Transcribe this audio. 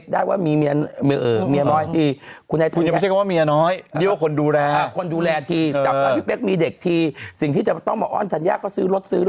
เดี๋ยวพรุ่งนี้ฉันเจอธัญญาแล้ว